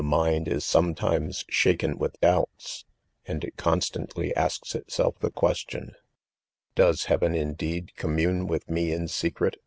mini is sometimes shaken with doubts ; andit .constant ly asks itself the question : Does heavgiigia $fig IDOMEN ; 4eed* commune ,'with me in secret.